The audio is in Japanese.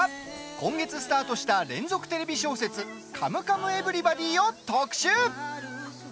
今月スタートした連続テレビ小説「カムカムエヴリバディ」を特集。